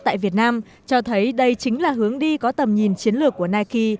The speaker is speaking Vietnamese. tại việt nam cho thấy đây chính là hướng đi có tầm nhìn chiến lược của nike